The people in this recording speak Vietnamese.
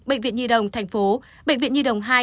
bệnh viện nhi đồng tp bệnh viện nhi đồng hai